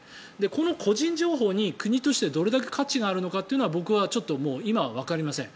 この個人情報に国としてどれだけ価値があるのかというのは僕はちょっと今はわかりません。